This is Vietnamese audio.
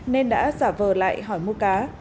nên đã giả vờ lại hỏi mua cá